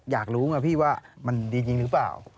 อยากรู้ไงพี่ว่ามันดีจริงหรือเปล่า